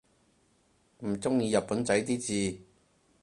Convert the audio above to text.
唔中意日本仔啲字